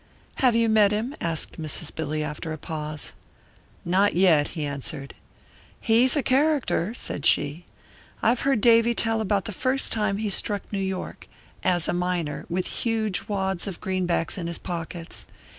"Have you met him yet?" asked Mrs. Billy, after a pause. "Not yet," he answered. "He's a character," said she. "I've heard Davy tell about the first time he struck New York as a miner, with huge wads of greenbacks in his pockets.